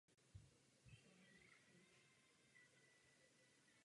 Odpověď zní ano, zlepšuje se.